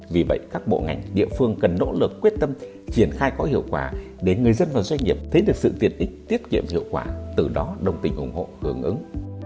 vì vậy các bộ ngành địa phương cần nỗ lực quyết tâm triển khai có hiệu quả để người dân và doanh nghiệp thấy được sự tiện ích tiết kiệm hiệu quả từ đó đồng tình ủng hộ hưởng ứng